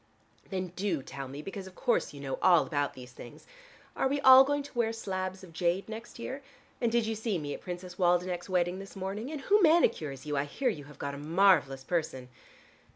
"Then do tell me, because of course you know all about these things: Are we all going to wear slabs of jade next year? And did you see me at Princess Waldenech's wedding this morning? And who manicures you? I hear you have got a marvelous person."